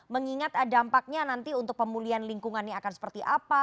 mengingat dampaknya nanti untuk pemulihan lingkungannya akan seperti apa